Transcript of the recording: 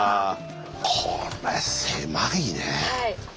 これ狭いね。